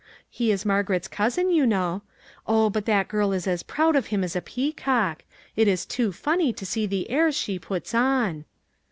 He is Margaret's cousin, you know. Oh, but that girl is as proud of him as a peacock. It is too funny to see the airs she puts on."